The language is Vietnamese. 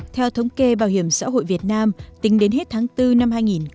theo thống kê bảo hiểm xã hội việt nam tính đến hết tháng bốn năm hai nghìn hai mươi